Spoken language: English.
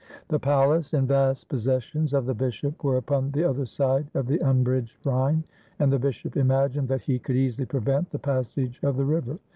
The palace and vast pos sessions of the bishop were upon the other side of the un bridged Rhine, and the bishop imagined that he could easily prevent the passage of the river.